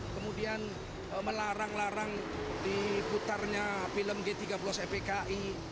kemudian melarang larang di putarnya film g tiga puluh s epki